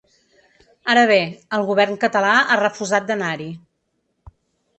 Ara bé, el govern català ha refusat d’anar-hi.